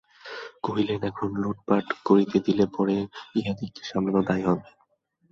কহিলেন, এখন লুঠপাট করিতে দিলে পরে ইহাদিগকে সামলানো দায় হইবে।